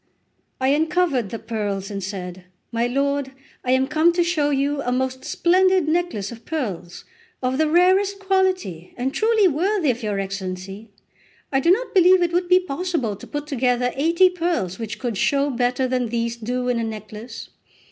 I uncovered the pearls and said: "My lord, I am come to show you a most splendid necklace of pearls, of the rarest quality, and truly worthy of your Excellency; I do not believe it would be possible to put together eighty pearls which could show better than these do in a necklace.